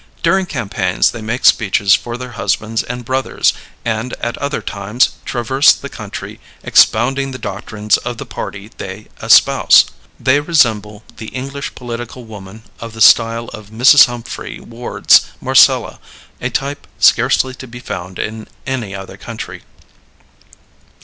During campaigns they make speeches for their husbands and brothers, and at other times traverse the country expounding the doctrines of the party they espouse. They resemble the English political woman of the style of Mrs. Humphrey Ward's "Marcella," a type scarcely to be found in any other country.